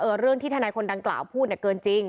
เรื่องที่ทนายคนดังกล่าวพูดเนี่ยเกินจริง